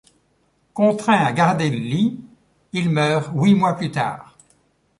Contraint à garder le lit, il meurt huit mois plus tard.